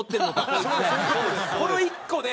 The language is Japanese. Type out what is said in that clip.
この１個で。